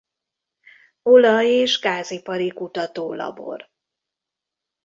Olaj és Gázipari Kutató Labor.